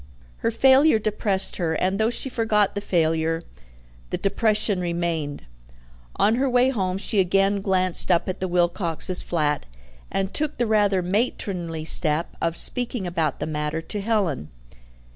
Her failure depressed her, and though she forgot the failure, the depression remained. On her way home she again glanced up at the Wilcoxes' flat, and took the rather matronly step of speaking about the matter to Helen.